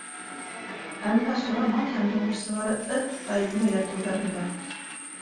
Әммә Сураман һәм һуғышсылары «ых!» та итмәй ятыуҙарында.